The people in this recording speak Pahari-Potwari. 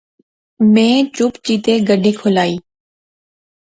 میں چپ چپیتے گڈی کھلائی